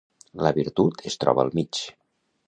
La virtut es troba al mig.